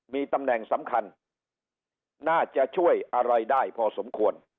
มีตำแหน่งสำคัญน่าจะช่วยอะไรได้พอสมควร